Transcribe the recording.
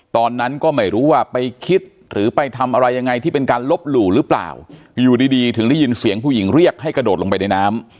ตอนนั้นก็ไม่รู้ว่าไปคิดหรือไปทำอะไรยังไงที่เป็นการลบหลู่หรือเปล่าอยู่ดีดีถึงได้ยินเสียงผู้หญิงเรียกให้กระโดดลงไปในน้ำ